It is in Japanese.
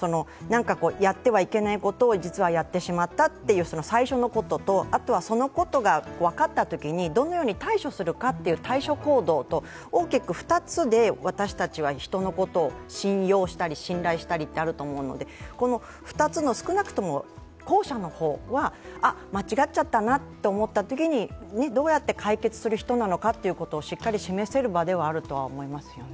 やってはいけないことを実はやってしまったという最初のことと、あとはそのことが分かったときにどのように対処するかという対処行動と大きく２つで私たちは人のことを信用したり信頼したりというのがあると思うので、この２つの少なくとも後者の方は間違っちゃったなと思ったときにどうやって解決する人なのかをしっかり示せる場ではあると思いますよね。